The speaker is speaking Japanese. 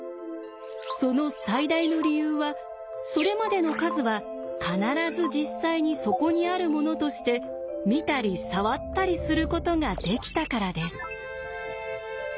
その最大の理由はそれまでの数は必ず実際にそこにあるものとして見たり触ったりすることができたからです。